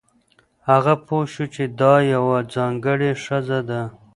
هغه پوه شو چې دا یوه ځانګړې ښځه ده.